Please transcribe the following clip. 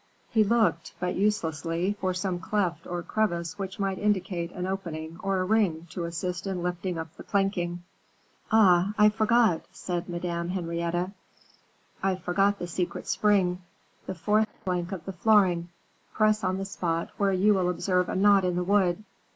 He looked, but uselessly, for some cleft or crevice which might indicate an opening or a ring to assist in lifting up the planking. "Ah, I forgot," said Madame Henrietta, "I forgot the secret spring; the fourth plank of the flooring, press on the spot where you will observe a knot in the wood.